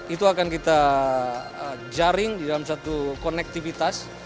itu akan kita jaring di dalam satu konektivitas